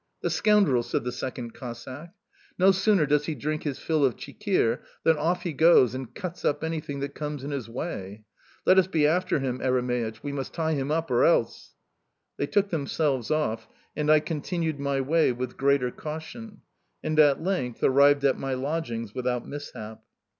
"The scoundrel!" said the second Cossack. "No sooner does he drink his fill of chikhir than off he goes and cuts up anything that comes in his way. Let us be after him, Eremeich, we must tie him up or else"... They took themselves off, and I continued my way with greater caution, and at length arrived at my lodgings without mishap.